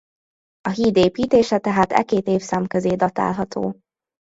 A híd építése tehát e két évszám közé datálható.